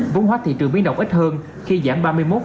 vốn hóa thị trường biến động ít hơn khi giảm ba mươi một một mươi tám